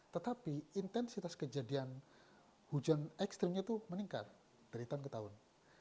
tetapi intensitas kejadian hujan ekstrimnya itu meningkat dari tahun ke tahun